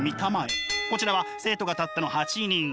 こちらは生徒がたったの８人。